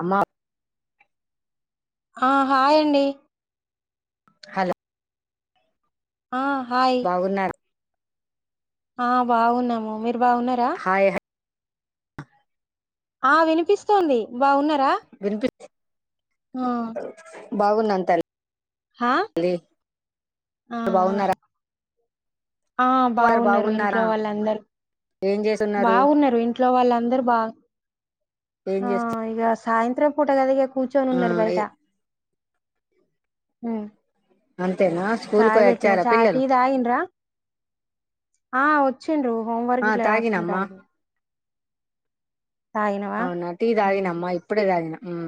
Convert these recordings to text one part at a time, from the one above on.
అమ్మ ఆ హాయ్ అండి హలో ఆ హాయ్ బాగున్నారు ఆ బాగున్నాము మీరు బాగున్నారా హాయ్ ఆ వినిపిస్తోంది బాగున్నారా ఆ అ బాగున్న అంతల్ హా ఆ ఆ బాగున్నారా ఆ వారు బాగున్నారు బాగున్నారా ఇంట్లో వాళ్ళందరూ ఏం చేస్తున్నారు బాగున్నారు ఇంట్లో వాళ్ళందరు బాగా ఏం ఆ చేస్తు ఇగ సాయంత్రం పూటగదిగ ఆ కూర్చొనున్నారు బయట ఉ అన్ అంతే నా స్కూల్ పోయివచ్చర టీ పిల్లలు తాగిండ్రా ఆ వచ్చు వచ్చిండ్రు హోమ్ వర్క్ ఆ గిట్లా తాగినమ్మా రాసుకుంటారు అవునా టీ ఉమ్ తాగినమ్మా ఇప్పుడే తాగిన ఉహ్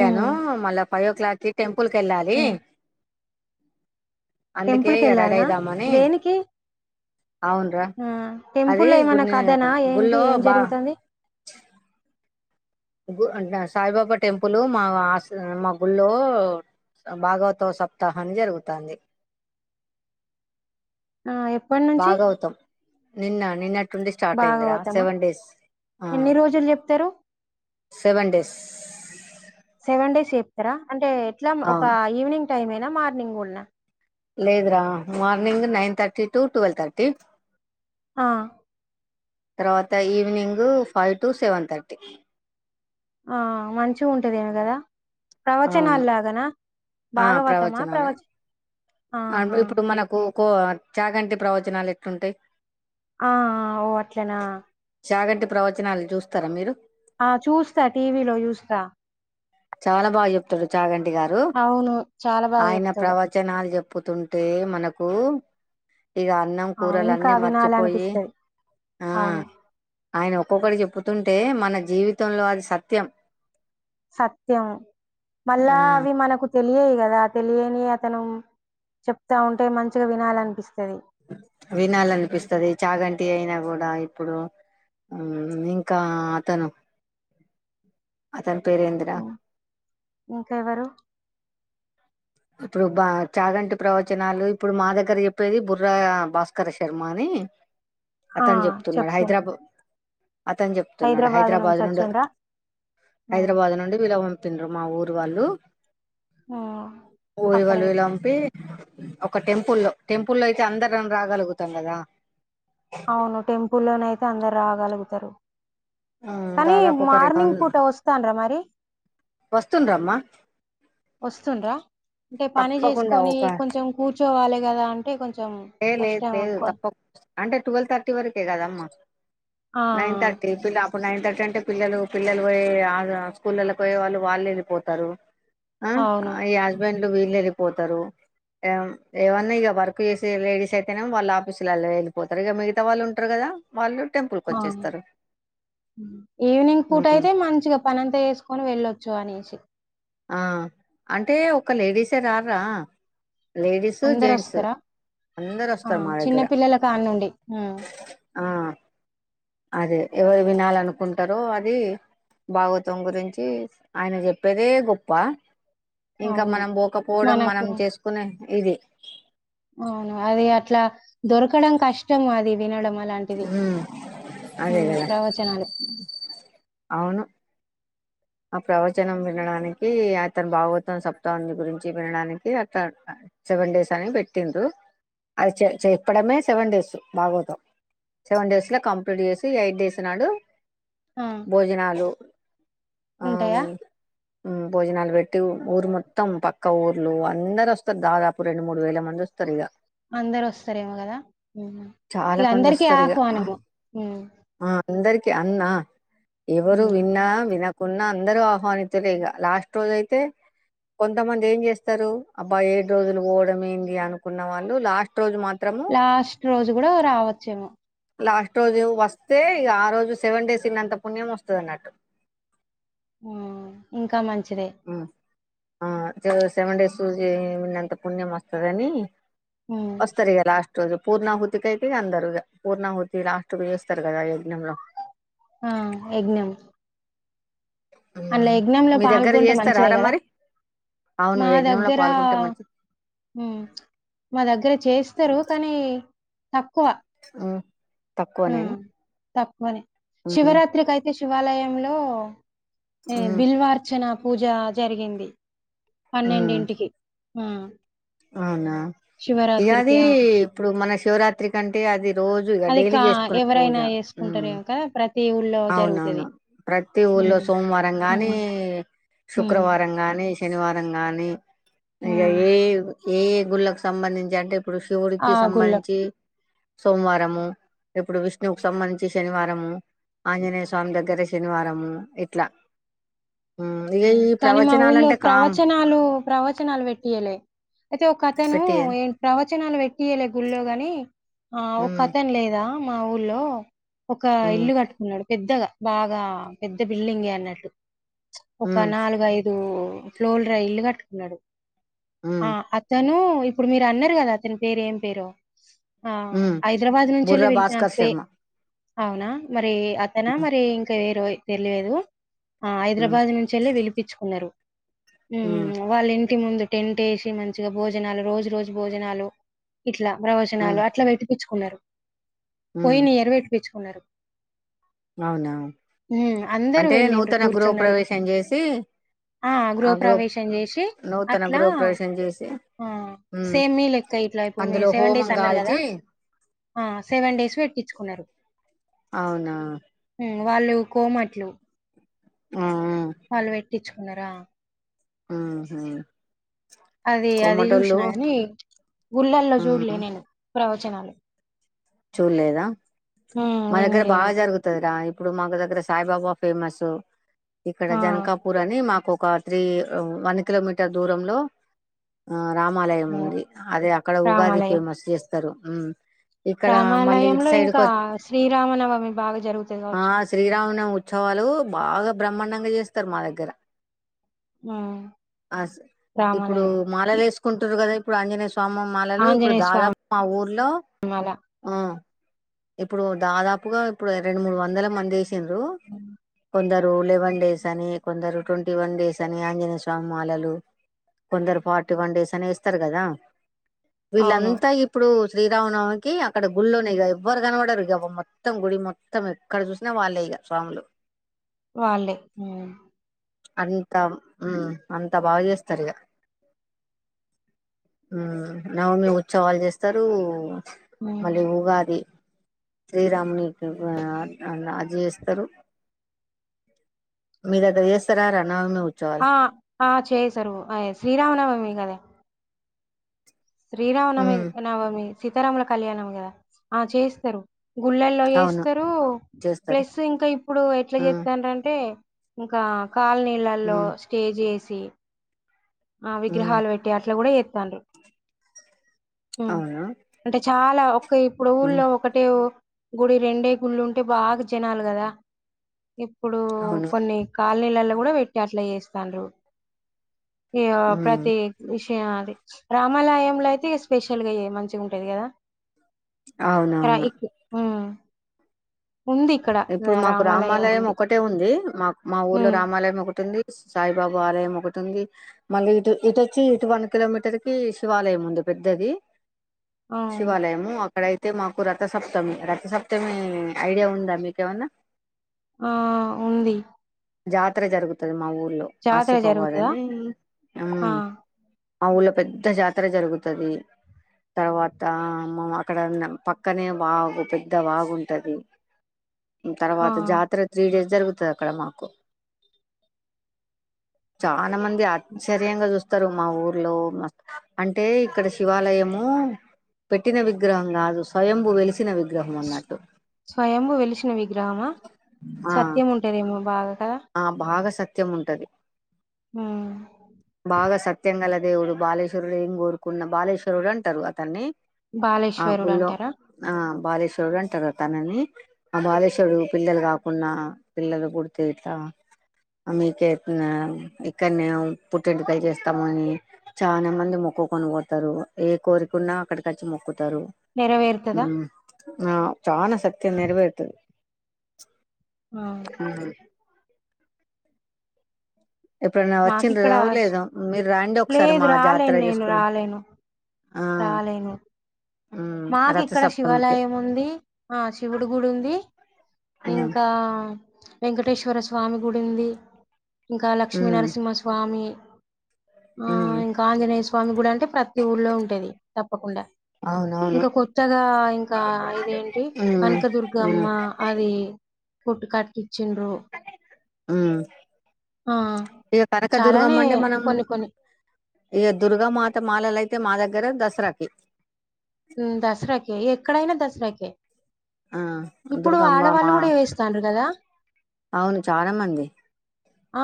ఉమ్ మల్ల ఫైవో క్లాక్కి పుల్ కెళ్ళాలి ఉమ్ టెంపుల్ కి రెడీ వెళ్ళాల్న అయిదామని దేనికి అవునరా ఆ అది టెంపుల్లో ఏమైనా గుడి కధ నా ఏంటి గుళ్ళో ఏం బా జరుగుతది అంటె సాయిబాబా టెంపుల్ మా మా గుల్లో భాగవత సప్తాహాన్ని జరుగుతంది ఆ ఎప్పటి నుంచి భాగవతాం నిన్న నిన్నట్టుండి స్టార్ట్ బాగా అయిందిరా అవుతామా? సెవెన్ డేస్ ఎన్ని రోజులు జెప్తరు? సెవెన్ డేస్ పూతార అంటే ఎట్లా ఒక అవును ఈవెనింగ్ టైం మార్నింగ్ కున్నా లేదురా morning nine thirty to twelve thirty ఆ తర్వాత evening five to seven thirty ఆ మంచిగుంటదేమో గదా అవును ప్రవచనాల్లాగనా భాగవతమా ప్రవచ అ ఆహా! ఇప్పుడు మనకు కో చాగంటి ప్రవచనాలు ఎట్లుంటాయి ఆ ఓ అట్లనా చాగంటి ప్రవచనాలు చూస్తారా మీరు ఆ చూస్తా టీవీలో చూస్తా చాలా బాగా చెప్తాడు చాగంటి గారు అవును చాలా బాగా చెప్తాడు చేప్పుతుంటే మనకు ఇగ అన్నం అవును. కూరలు ఇంకా అన్నీ మర్చిపోయి వినాలనిపిస్తది. ఆ అవును. ఆయన ఒక్కొక్కటి చె చెప్పుతుంటే మన జీవితంలో అది సత్యం సత్యం ఆ మళ్ళా అవి మనకు తెలియయి కదా తెలియని అతను చెప్తా ఉంటే మంచిగా వినాలనిపిస్తుంది వినాలనిపిస్తది చాగంటి అయినా కూడా ఇప్పుడు ఇంకా అతను అతని పేరేందిర ఇంకేవ్వరు ఇప్పుడు బ చాగంటి ప్రవచనాలు ఇప్పుడు మా దగ్గర చెప్పేది బుర్ర్రా భాస్కర శర్మ అని ఆ! అతను చెప్తున్నాడు చెప్పు. హైదరాబా అతను చెప్తున్నాడు నుంచి హైదరాబాద్ నుండి వచ్చిండ్రా హైదరాబాద్ నుండి వీళ తిన మా ఊరు వాళ్ళు మ్మ్ పోయి అక్కడ వాళ్ళని పంపి ఒక టెంపుల్లో టెంపుల్లో అయితే అందరం రాగలుగుతాం కదా అవును టెంపుల్ లోనే అయితే అందరు రాగలుగుతారు ఆ, కానీ దాదాపు ఒక రెండు మార్నింగ్ వంద పూట వస్తాంర మరి వస్తుండ్రమ్మా వస్తుండరా అంటే పని తప్పకుండా చేసుకని కొంచం కూర్చ కూర్చోవాలి కదా అంటే కొంచం లే లేదు లేదు తప్ప అంటే టుల్వ్ థర్టీ వరకే కదమ్మా ఆ నైన్ థర్టీ పిల ఇప్పుడు నైన్ థర్టీ అంటే పిల్లలు పిల్లలు పోయే స్కూళ్లోకి పోయే వాళ్ళు వాళ్ళేది పోతారు ఆ అవును అయయాస్బ వాళ్లు వీళ్లు వెళ్లిపోతారు ఏమ్ ఏమన్నా వర్క్ చేస్ లేడస్ అయితేనే వాళు ఆఫీసు లోల వెళ్ళిపోతారు ఇక మిత వాళ్ళు ఉంటారు కదా వాళ్ళు టెంపుల్ కి ఆ వచ్చేస్తారు ఈవినింగ్ పూట ఉమ్, అయితే మంచిగా పనంతా వేసుకొని వెళ్ళొచ్చు అనేసి ఆ అంటే ఒక లేడీసే రార్ర అందరు వస్తారా అందరు ఆ వస్తారు మా చిన్న దగ్గర పిల్లల కాన్నుండి ఊ ఆ అదే ఎవరు వినాలనుకుంటారో అది భాగవతం గురించి ఆయన చెప్పేదే గొప్ప ఇంకా అవును మనం పోకపోవడం మనకు మనం చేసుకునే ఇది అవును అది అట్లా దొరకడం కష్టం అది వినడం అలాంటిది ఊ అదే హ్మ్ గద ప్రవచనాలు. అవును ఆ ప్రవచనం వినడానికి అతను భాగవతం సప్తాహి గురించి వినడానికి అట్ సెవెన్ డేస్ అని పెట్టింది అది చెప్పడమే సెవెన్ డేస్ భాగవతం సెవెన్ డేస్లో కంప్లీట్ చేసి ఎయిట్ డేస్ నాడు ఆ! భోజనాలు ఉంటాయా ఊ భోజనాలు పెట్టి ఊరు మొత్తం పక్క ఊర్లు అందరు వస్తారు దాదాపు రెండు మూడు వేల మంది వస్తారు ఇక అందరు వస్తారేమో కదా చాలా ఇక మంది అందరికీ ఆహ్వానము ఊ అందరికిీ అన్నా ఎవరు హ్మ్. విన్నా విన కున్నా అందరుూ ఆహ్వానితులే ఇక లాస్ట్ రోజు అయితే కొంతమంది ఏం చేస్తారు అబ్బా ఏడు రోజులు పోవడం ఏంది అనుకున్న వాళ్ళు లాస్ట్ రోజు మాత్రము లాస్ట్ రోజు కూడా రావచ్చేమో లాస్ట్ రోజు వస్తే ఇ ఆ రోజు సెవెన్ డేస్ ఇన్నంత పుణ్యం వస్తుంది అన్నట్టు ఊ ఇంకా మంచి మంచిదే మ్ ఆ సెవెన్ డేస్ ఉన్నంత పుణ్యం వస్తుందని హ్మ్. వస్తరిగ లాస్ట్ రోజు పూర్ణాహుతికైతే అందరు పూర్ణాహుతి లాస్ట్కి చేస్తారు కదా ఆ యజ్ఞంలో ఆ యజ్ఞం అందులో ఉమ్ యజ్ఞమ్ లో మీ దగ్గర పాల్గొంటే మంచిదే చేస్తారారా కదా మరి అవును మా యజ్ఞంలో దగ్గర పాల్గొంటే మంచి మా దగ్గర చేస్త ఇస్తారు కానీ తక్కువ ఉ ఆ తక్కువనే శివరాత్రికియితే శివాలయంలో ఆ ఏ బిల్వార్చన పూజ జరిగింది పన్నెండింటికి ఆ అవునా ఇక అది శివరాత్రికి ఆ ఇప్పుడు మన శివరాత్రి కంటే అది రోజు ఇక అది డైలీ కా చేసుకునే పూజ ఎవరైనా ఉమ్ చేసుకుంటారేమో కదా దేవ్ అవునవును ప్రతి ఊళ్ళో సోమవారం గాని హ్మ్ శుక్రవారం గాని శనివారం గాని ఇకా హ్మ్ ఏ ఏ ఏ గుళ్ళకు సంబంధించి అంటే ఇప్పుడు ఆ శివుడికి గుళ్ళ సంబంధించి సోమవారము ఇప్పుడు విష్ణువుకు సంబంధించి శనివారము ఆంజనేయస్వామి దగ్గర శనివారము ఎట్లా కానీ మా ఊర్లో కామ్ ప్రవచనాలు ప్రవచనాలు పెట్టియ్య లే అయితే ఒక అతను పెట్టి ఏ ప్రవచ నాలు పెట్ యలే గుళ్ళో గాని ఆ ఒక ఉమ్ అతన్ లేదా మాఊల్లో ఒక ఉమ్ ఇల్లు కట్టుకున్నాడు పెద్దగా బాగా పెద్ద బిల్డింగే అన్నట్టు ఒక ఉమ్ నాలుగు ఐదు ఫ్లోర్ ర ఇల్లు కట్టుకున్నాడు ఆ ఉమ్ అతను ఇప్పుడు మీరు అన్నారు కదా అతని పేరు ఏం పేరో ఆ ఉమ్ హైదరాబాద్ బుర్ర నుంచేళ్ళి భాస్కర్ వెళ్ళిపెనంకే శర్మ అవునా మరి అతనా ఉమ్ మరి ఇంకా ఎరువై తెలియదు ఆ ఉమ్ హైదరాబాద్ నున్ వెళ్ళి పిలిపించు అన్నారు ఉ ఉమ్ వాళ్ళ ఇం ఇంటి ముందు టెంట్ వేసి మంచిగా భోజనాలు రోజు రోజు భోజనాలు ఇట్లా ప్రవచనాలు ఉమ్ అట్ల పెట్టిపిచ్ కున్నారు ఉమ్. పోయిన ఇయర్ పెట్టీపిచ్ కున్నారు అవునా అందరూ అంటే వెళ్ళిండ్రు నూతన గృహ కూర్చున్నారు. ప్రవేశం చేసి ఆ గృహప్రవేశం చేసి నూతన అట్లా గృహ ప్రవేశం చేసి ఆ ఉమ్ సేమ్ మీ లేక్క ఇట్లా ఇప్పుడు మీరు అందులో సెవెన్ హోమం డేస్ అన్నారు కదా కాల్చి ఆ సెవెన్ డేస్ పెట్టించుకున్నారు అవునా వాళ్ళు కోమట్లు ఉమ్ ఉమ్ వాల్ వేట్ పేట్టించుకున్నారా ఆ హ అది అది చూసినా కాని గుళ్ళల్లో చూడలే ఉమ్ నేను ప్రవచనాలు చూలేదా హ్మ్. మా దగ్గర బా వినలేను. జరుగుతదిరా ఇప్ ఇప్పుడు మాకు దగ్గర సాయిబాబా ఫేమస్ ఇక్కడ ఆ! జనకాపూర్ అని మాకో ఒక త్రీ వన్ కిలోమీటర్ దూరంలో ఆ రామాలయం హ్మ్. ఉంది అదే అక్కడ ఉగాది రామాలయం. ఫేమస్ చేస్తు తరు ఉ ఇక్కడ మళ్ళీ ఇటు రామాలయంలో సైడ్కి ఇంకా కో శ్రీరామనవమి బాగా జరుగుతది ఆ గావచ్చు. శ్రీరామనవమి ఉత్సవాలు బాగా బ్రహ్మాండం గా చేస్తారు మా దగ్గర హ్మ్. అ సై ఇప్పుడు రామాలయం. మాలలు వేసుకుంటారు కదా ఇప్పుడు అంజనెస్ సోమ మాలలు ఇప్పుడు ఆంజనేయ స్వామి దాదాపు మా ఊర్లో అలా. ఆ ఇప్పుడు దాదాపుగా ఇప్పుడు రెండు మూడు వందల మంది ఏసిరు హ్మ్. కొందరికి కొరు లెవెన్ డేస్ అని కొందరు ట్వంటీ వన్ డేస్ అని ఆంజనేయ స్వామి మాలలు కొందరు ఫార్టీ వన్ డేస్ అని ఏస్తరు కదా అవును. వీళ్ళంత ఇప్పుడు శ్రీరామనవమికి అక్కడ గుల్లోనే కదా ఎవ్వరు కనపడరు ఇగ మొత్తం గుడి మొత్తం ఎక్కడ చూసినా వాల్లే ఇగ స్వాములు వాల్లే అంత అంత బాగా చేస్తారు ఇగ నవమి ఉత్సవాలు చేస్తారు హ్మ్. మళ్ళీ ఉగాది శ్రీరాముని జ్ఞ చేస్తారు మీ దగ్గర చేస్తారరా ఆ ఆ చేసారు శ్రీరామనవమి కదా శ్రీరామనమి ఉమ్ నవమి సీతారాముల కళ్యాణం కదా ఆ చేస్తరు గుళ్ళల్లో అవును చేస్తరు చేస్తారు ప్లస్ ఇంకా ఇప్పుడు ఎట్ల ఉమ్ చేస్తాండ్రంటే ఇంకా కాలనీలల్లో ఉమ్ స్టేజి ఏసి తే ఆ ఉమ్ విగ్రహాలు పెట్టి అట్లా కూడా ఎ తళ్ళు అవును అంటే చా లా ఒకే ఇప్పుడు హ్మ్ ఊళ్ళో ఒకటే గుడి రెండే గుళ్ళుంటే బాగా జనాలు గదా ఇప్పుడు అవును. కొన్ని కాల్నీల కూడా పెట్టి అట్లా చేస్తాండ్రు ఇగ హ్మ్ ప్రతి ఎగ్జిబిష అది రామాలయంలో అయితే ఇగ స్పెషల్ గా మంచిగ ఉంటది కదా అ అవునవును. ఇకు ఊ ఇప్పుడు మాకు రామాలయం ఒకటే ఉంది మా మా ఊర్లో హ్మ్. రామాలయం ఒకటుంది సాయిబాబ ఆలయం ఒకటి ఉంది మళ్ళీ ఇటు ఇటొచ్చి ఇటు వన్ కిలోమీటర్ కి శివాలయం ఉంది పెద్దది ఆ! శివాలయము అక్కడయి మాకు రథసప్తమి రథసప్తమి ఐడియా ఉందా మీక్ కేవన్నా ఆ ఉంది జాతర జరుగుతది మా ఊరు లొ జాతర ఆసిఫాబాద్ జరుగుతదా? అని ఆ! ఉమ్ మా ఊళ్ళ పెద్ద జాతర జరుగుతది. తర్వాత మా అక్కడ పక్కనే వాగు పెద్ద వాగు ఉంటది. ఆ! తర్వాత జాతర త్రీ డేస్ జరుగుతది అక్కడ మాకు. చా న మంది ఆశ్చర్యంగ చూస్ తరు మా ఊర్లో, అంటే ఇక్కడ శివాలయము పెట్టిన విగ్రహం కాదు స్వయంభు వెలిసి సిన విగ్రహం అన్నట్టు. భు వెలిసిన విగ్రహమా ఆ సత్యం ఉంటదేమో వావ్ ఆ బాగా సత్ త్యం ఉంటది. హ్మ్. బాగా సత్ తెంగళ దేవుడు బాలేశ్వరుడు ఏం కోరుకున్న బాలేశ్వరుడు అంటారు అతన్ని ఆ బాలేశ్వరుడు గుళ్ళో అంటారా ఆ బాలేశ్వరుడు అంటారు తనని ఆ బాలేశ్వడు పిల్లలు కాకుండా పిల్లలు పుడితే త మీక యిట్టనే ఇక్కడనే పుట్టెంటికాయి చేస్తాము అని చానా మంది మొక్కుకొని పోతారు ఏ కోరికున్నా అక్కడికి అచ్చి మొ పోతారు ఉ నెరవేరుతదా? ఆ చానా సత్యం నెరవేరుతది. ఆ! ఉహు ఎప్పుడైనా మాకిక్కడ వచ్చిండ్రో శ్ లేదొ మీరు రాండి ఒకసారి లేదు మా జాతర రాలేను నేను చేసుకున్న రాలేను. రాలేను మాకు రథ ఇక్కడ సప్తమికి శివాలయం ఉంది. ఆ శివుడు గుడి ఉంది ఉమ్ ఇంకా, వెంకటేశ్వర స్వామి గుడి ఉంది ఇంకా ఉమ్ లక్ష్మీనరసింహస్వామి ఆ ఉమ్ ఇంకా ఆంజనేయ స్ స్వామి కూడా అంటే ప్రతి ఊళ్ళో ఉంటది తప్పకుండా అవునవును ఇంకా కొత్తగా ఇంకా ఇదేంటి ఉమ్ ఉమ్ కనకదుర్గమ్మ అది కొట్ కాట్కి ఉ ఆ ఇగ చాలానే కనకదుర్గమ్మ అంటే మనం కొన్ని కొన్ని ఇగ దుర్గా మాత మాలలు అయితే మా దగ్ గర దసరా కి ఉ దసరాకే ఎక్కడైనా దసరాకే ఏ ఆ దుర్గఅమ్మమ్మ కూడా వేస్తాండ్రు కదా అవును చాలా మంది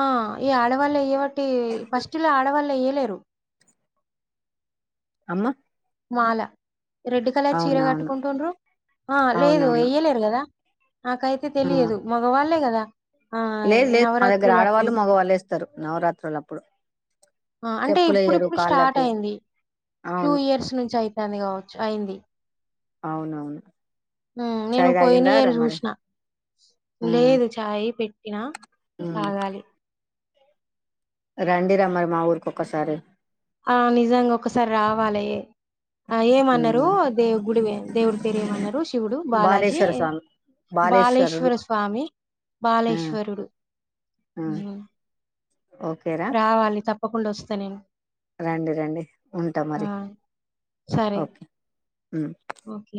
ఆ ఈ ఆడవాళ్ళ ఏయ్యవాట్ టి ఫస్ట్ లో ఆడవాళ్లు ఏయ్యక్ లేరు అమ్మ మాల రెడ్ కలర్ చీర అవునవును కట్టుకుంటుండ్రు ఆ లేదు అవునవును ఏయ్యలేరు కదా నాకైతే ఆ తెలియదు మగవాళ్ళే కదా ఆ లేదు లేదు మా దగ్గర నవరాత్రులప్పుడు ఆడవాళ్ళు మగవాళ్ళు వేస్తారు నవరాత్రులు అప్పుడు ఆ అంటే ఇప్పుడిప్పుడు స్టార్ట్ అయింది టూ అవును ఇయర్స్ నుంచి ఐతంది కావచ్చు అయింది అవునవును ఉ నేను చాయ్ పోయిన తాగిండ్రారా ఇయర్ మరి చూసిన మ్మ్ లేదు చాయ్ పెట్ టినా తాగాలి రండి రా మరి మా ఊరికి ఒక్కసారి ఆ నిజంగా ఒకసారి రా వాలే ఆ ఏమన్నారు మ్మ్ దేవు గుడి దేవుడి పేరు ఏమన్నారు శివుడు బాలాజీ బాలేశ్వర స్వామి బాలేశ్వరుడు బాలేశ్వర స్వామి మ్మ్ బాలేశ్వరుడు మ్మ్ ఉ ఓకేరా రావాలి తప్ తప్పకుండా వస్తా నేను రండి రండి ఉంటా ఆ! మరి సరే. ఓకే ఉ ఓకే.